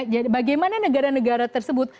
jadi bagaimana negara negara tersebut